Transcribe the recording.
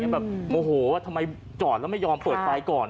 มโมโหว่าทำไมจอดและยอมเปิดไฟก่อน